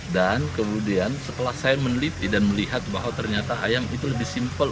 dan kemudian setelah saya meneliti dan melihat bahwa ternyata ayam itu lebih simpel